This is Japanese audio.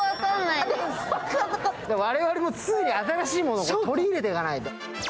我々も常に新しいものを取り入れていかないと。